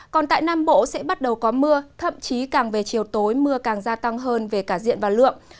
còn tại nam bộ sẽ bắt đầu có mưa thậm chí càng về chiều tối mưa càng gia tăng hơn về cả diện và lượng